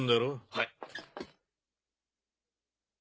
はい。